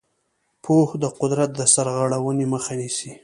پوهه د قدرت د سرغړونې مخه نیسي.